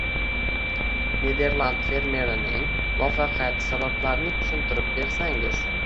Niderland fermerining muvaffaqiyati sabablarini tushuntirib bersangiz.